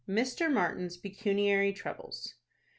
MR. MARTIN'S PECUNIARY TROUBLES.